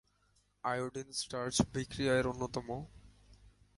Iodine-starch বিক্রিয়া এর অন্যতম।